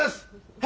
はい。